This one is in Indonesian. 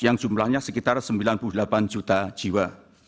yang jumlahnya sekitar sembilan puluh delapan juta jiwa